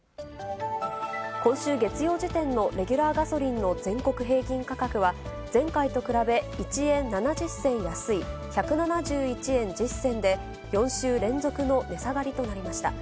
今週月曜時点のレギュラーガソリンの全国平均価格は、前回と比べ１円７０銭安い、１７１円１０銭で、４週連続の値下がりとなりました。